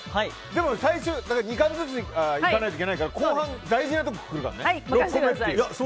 でも、２缶ずついかないといけないから後半大事なところくるからね。